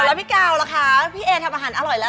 แล้วพี่กาวล่ะคะพี่เอทำอาหารอร่อยแล้ว